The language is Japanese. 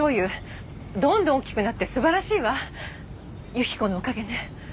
雪子のおかげね。